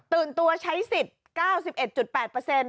ตัวใช้สิทธิ์๙๑๘เปอร์เซ็นต์